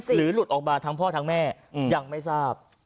หลุดออกมาทั้งพ่อทั้งแม่ยังไม่ทราบ